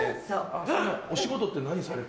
お仕事って何されて。